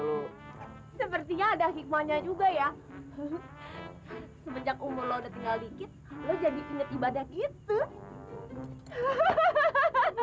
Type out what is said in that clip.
lu sepertinya ada hikmahnya juga ya semenjak umur lo udah tinggal dikit lo jadi inget ibadah gitu